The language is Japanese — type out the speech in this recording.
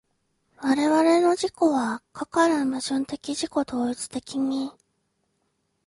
我々の自己はかかる矛盾的自己同一的に